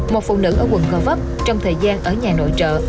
một phụ nữ ở quận gò vấp trong thời gian ở nhà nội trợ